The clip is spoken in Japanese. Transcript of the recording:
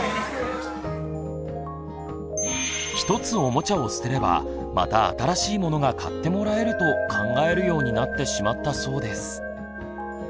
１つおもちゃを捨てればまた新しいものが買ってもらえると考えるようになってしまったそうです。